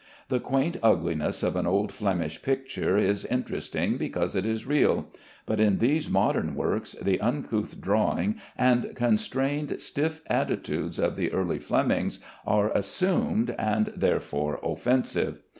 The quaint ugliness of an old Flemish picture is interesting because it is real, but in these modern works the uncouth drawing and constrained stiff attitudes of the early Flemings are assumed, and therefore offensive.